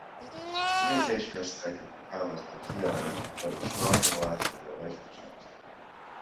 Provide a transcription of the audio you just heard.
Communication, respect, and compromise are key elements in building strong and lasting relationships.